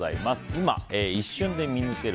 今「一瞬で見抜ける！